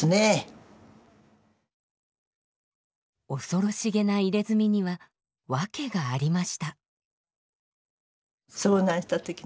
恐ろしげな入れ墨には訳がありました。